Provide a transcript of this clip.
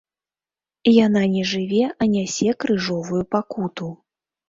Яна не жыве, а нясе крыжовую пакуту.